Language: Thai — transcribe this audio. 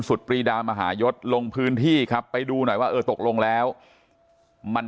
ปรีดามหายศลงพื้นที่ครับไปดูหน่อยว่าเออตกลงแล้วมัน